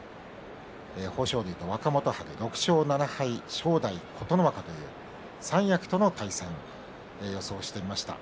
豊昇龍と若元春６勝７敗正代、琴ノ若という三役との対戦予想してみました。